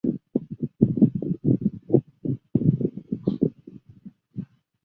孟山都贿赂了大量的农业部官员让它可以进口有害的基因改造食品及种子。